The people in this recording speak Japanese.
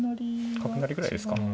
角成ぐらいですか。